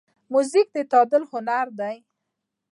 موزیک د تعادل هنر دی.